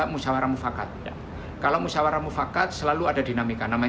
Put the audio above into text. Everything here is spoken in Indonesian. tugas tugas pengaturan pengawasan